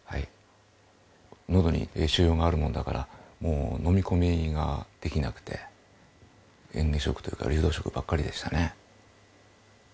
喉に腫瘍があるものだからもう飲み込みができなくて嚥下食というか流動食ばっかりでしたね。